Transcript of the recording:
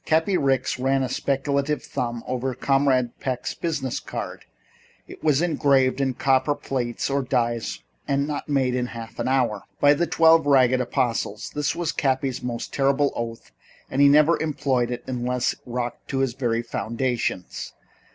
|++ Cappy Ricks ran a speculative thumb over Comrade Peck's business card. It was engraved. And copper plates or steel dies are not made in half an hour! "By the Twelve Ragged Apostles!" This was Cappy's most terrible oath and he never employed it unless rocked to his very foundations.